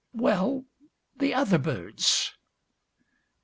well, the other birds.